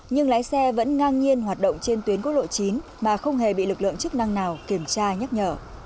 nhưng lái xe vẫn ngang nhiên hoạt động trên tuyến quốc lộ chín mà không hề bị lực lượng chức năng nào kiểm tra nhắc nhở